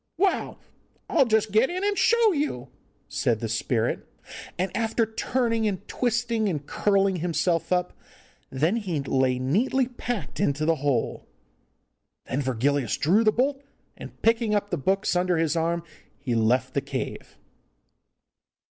'Well, I'll just get in and show you,' said the spirit, and after turning and twisting, and curling himself up, then he lay neatly packed into the hole. Then Virgilius drew the bolt, and, picking the books up under his arm, he left the cave.